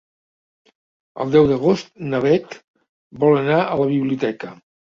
El deu d'agost na Bet vol anar a la biblioteca.